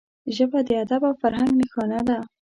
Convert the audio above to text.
ژبه د ادب او فرهنګ نښانه ده